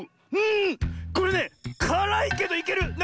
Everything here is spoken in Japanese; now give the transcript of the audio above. これねからいけどいける！